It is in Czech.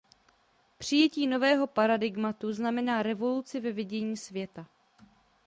Přijetí nového paradigmatu znamená revoluci ve vidění světa.